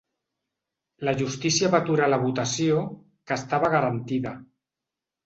La justícia va aturar la votació, que estava garantida.